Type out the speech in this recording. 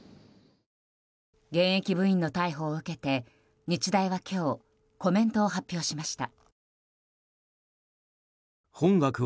現役部員の逮捕を受けて日大は今日、コメントを発表しました。